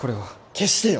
消してよ！